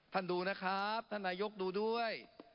ดูนะครับท่านนายกดูด้วย